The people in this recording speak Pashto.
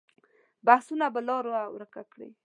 بحثونه به لاره ورکه کړي.